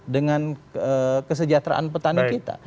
dengan kesejahteraan petani kita